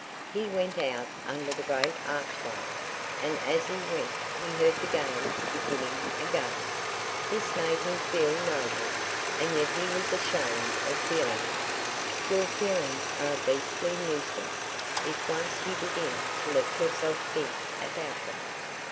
He went out under the great archway, and as he went he heard the games beginning again. This made him feel noble, and yet he was ashamed of feeling it. Your feelings are a beastly nuisance, if once you begin to let yourself think about them.